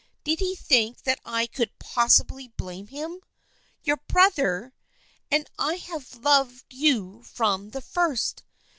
Did he think that I could possibly blame him ? Your brother ! And I have loved you from the first."